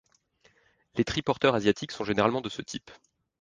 Les triporteurs asiatiques sont généralement de ce type.